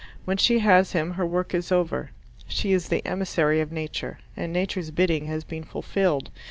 When she has him her work is over. She is the emissary of Nature, and Nature's bidding has been fulfilled.